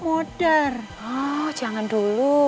oh jangan dulu